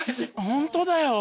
本当だよ